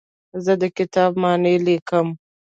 زه د کتاب معنی لیکم.